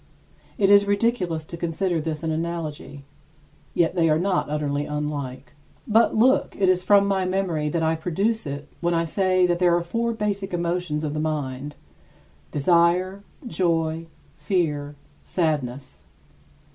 It is ridiculous to consider this an analogy; yet they are not utterly unlike. 22. But look, it is from my memory that I produce it when I say that there are four basic emotions of the mind: desire, joy, fear, sadness.